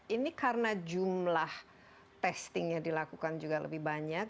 ini karena jumlah testingnya dilakukan juga lebih banyak